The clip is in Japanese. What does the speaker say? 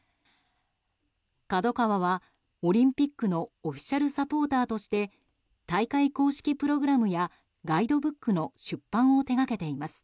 ＫＡＤＯＫＡＷＡはオリンピックのオフィシャルサポーターとして大会公式プログラムやガイドブックの出版を手掛けています。